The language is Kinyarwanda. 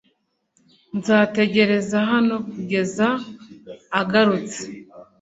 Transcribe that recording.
Nzategereza hano kugeza agarutse .